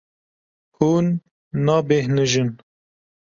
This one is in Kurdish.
Hûn nabêhnijin.